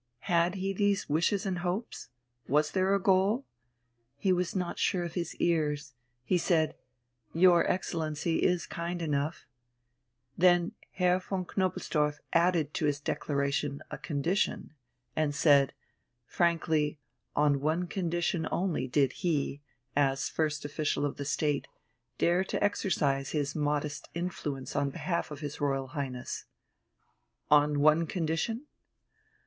Had he these wishes and hopes? Was there a goal? He was not sure of his ears. He said: "Your Excellency is kind enough ..." Then Herr von Knobelsdorff added to his declaration a condition, and said: Frankly, on one condition only did he, as first official of the State, dare to exercise his modest influence on behalf of his Royal Highness. "On one condition?"